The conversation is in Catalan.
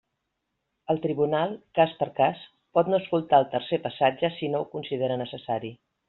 El tribunal, cas per cas, pot no escoltar el tercer passatge si no ho considera necessari.